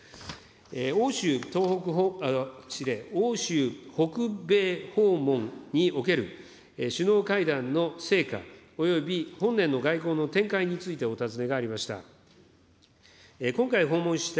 欧州東北、失礼、欧州、北米訪問における首脳会談の成果および本年の外交の展開について、お尋ねがありました。